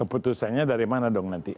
keputusannya dari mana dong nanti